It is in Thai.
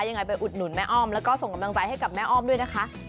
ยังไงไปอุดหนุนแม่อ้อมแล้วก็ส่งกำลังใจให้กับแม่อ้อมด้วยนะคะ